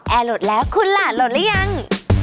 แอร์โหลดแล้วคุณล่ะโหลดแล้วยัง